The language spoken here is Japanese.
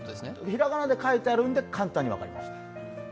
ひらがなで書いてあるので簡単に分かりました。